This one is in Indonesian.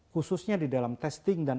khususnya di dalam testing dan